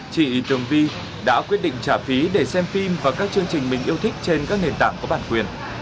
chị tường vi đã quyết định trả phí để xem phim và các chương trình mình yêu thích trên các nền tảng có bản quyền